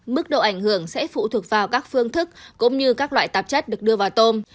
mức độ ảnh hưởng sẽ phụ thuộc vào các phương thức cũng như các loại tạp chất được đưa vào tôm